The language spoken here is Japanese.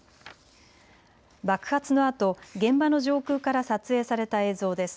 爆発のあと、現場の上空から撮影された映像です。